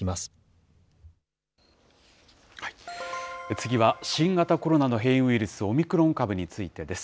次は、新型コロナの変異ウイルス、オミクロン株についてです。